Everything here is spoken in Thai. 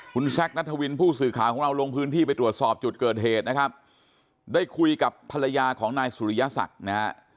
คุณแซคนัทวินผู้สื่อข่าวของเราลงพื้นที่ไปตรวจสอบจุดเกิดเหตุนะครับได้คุยกับภรรยาของนายสุริยศักดิ์นะฮะ